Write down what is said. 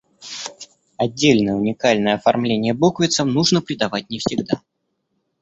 Отдельное уникальное оформление буквицам нужно придавать не всегда.